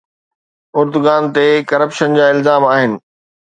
Erdogan تي corruption جا الزام آهن.